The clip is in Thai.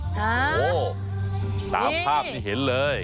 โอ้โหตามภาพที่เห็นเลย